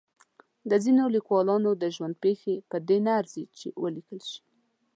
د ځینو لیکوالانو د ژوند پېښې په دې نه ارزي چې ولیکل شي.